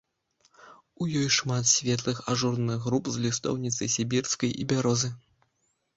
У ёй шмат светлых ажурных груп з лістоўніцы сібірскай і бярозы.